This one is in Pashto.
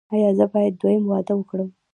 ایا زه باید دویم واده وکړم؟